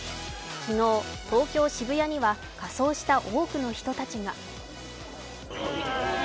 昨日、東京・渋谷には仮装した多くの人たちが。